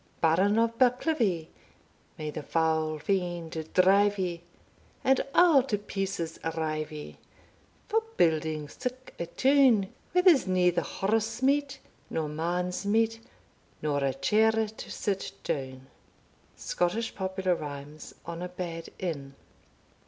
Baron of Bucklivie, May the foul fiend drive ye, And a' to pieces rive ye, For building sic a town, Where there's neither horse meat, Nor man's meat, Nor a chair to sit down. Scottish Popular Rhymes on a bad Inn.